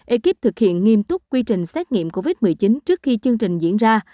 ekip thực hiện nghiêm túc quy trình xét nghiệm covid một mươi chín trước khi chương trình diễn ra